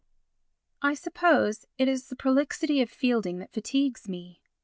I suppose it is the prolixity of Fielding that fatigues me.